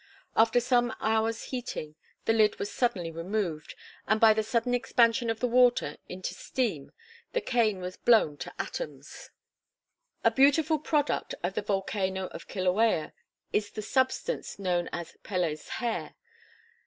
After some hours heating, the lid was suddenly removed, and by the sudden expansion of the water into steam the cane was blown to atoms. [Illustration: CRATER OF ORIZABA.] A beautiful product of the volcano of Kilauea is the substance known as "Pele's Hair."